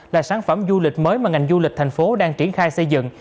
là sản phẩm du lịch mới mà ngành du lịch thành phố đang triển khai xây dựng